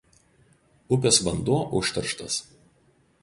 Upės vanduo užterštas.